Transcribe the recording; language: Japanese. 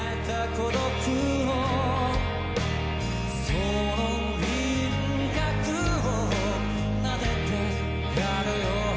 「その輪郭を撫でてやるよ」